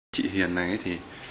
chị hiền này thì